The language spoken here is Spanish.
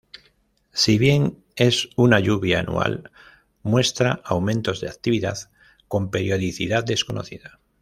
Si bien es una lluvia anual, muestra aumentos de actividad con periodicidad desconocida.